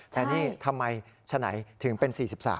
แต่นี่ทำไมฉะไหนถึงเป็น๔๓